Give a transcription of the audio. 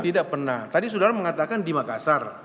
tidak pernah tadi saudara mengatakan di makassar